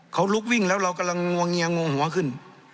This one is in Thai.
เขาลุกวิ่งแล้วเรากำลังงวงเงียงงหัวขึ้น